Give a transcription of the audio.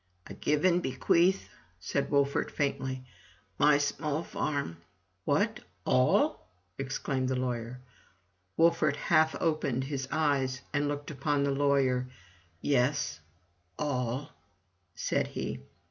" I give and bequeath," said Wolfert, faintly, "my small farm" "What — all!" exclaimed the lawyer. Wolfert half opened his eyes and looked upon the lawyer. "Yes— all," said he.